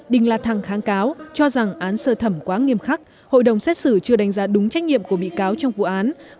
đình là thăng kháng cáo cho rằng án sơ thẩm quá nghiêm khắc hội đồng xét xử chưa đánh giá đúng trách nhiệm của bị cáo trong vụ án